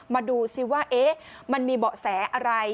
มาดูซิว่ามันมีเบาะแสอะไร